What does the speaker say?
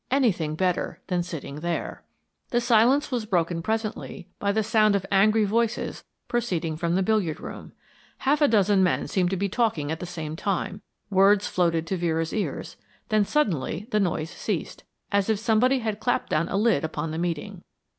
Anything better than sitting there. The silence was broken presently by the sound of angry voices proceeding from the billiard room. Half a dozen men seemed to be talking at the same time words floated to Vera's ears; then suddenly the noise ceased, as if somebody had clapped down a lid upon the meeting.